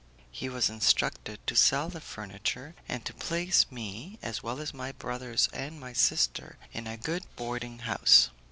He was instructed to sell the furniture, and to place me, as well as my brothers and my sister, in a good boarding house.